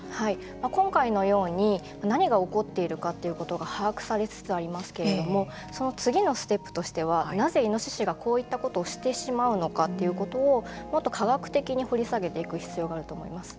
今回のように何が起こっているかということが把握されつつありますけれどもその次のステップとしてはなぜイノシシがこういったことをしてしまうのかということをもっと科学的に掘り下げていく必要があると思います。